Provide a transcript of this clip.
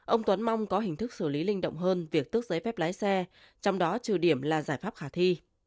ông tuấn mong có hình thức xử lý linh động hơn việc tước giấy phép lái xe trong đó trừ điểm là giải pháp khả thi